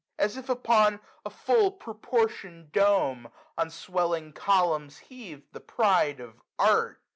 As if upon a full proportioned dome. 6a SUMMER. On swelling columns heav*d, the pride of art!